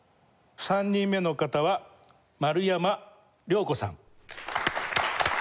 ３人目の方は丸山怜子さん。